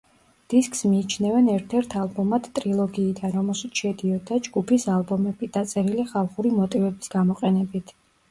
დისკს მიიჩნევენ ერთ-ერთ ალბომად ტრილოგიიდან, რომელშიც შედიოდა ჯგუფის ალბომები, დაწერილი ხალხური მოტივების გამოყენებით.